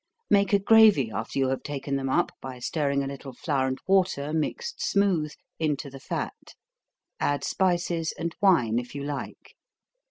Make a gravy after you have taken them up, by stirring a little flour and water mixed smooth into the fat, add spices and wine if you like.